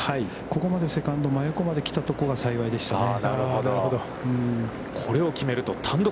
ここまでセカンド真横まで来たところが幸いでしたね。